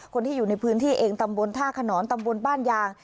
คนที่อยู่ในพื้นที่เองตำบลท่าขนอนตำบลบ้านยาง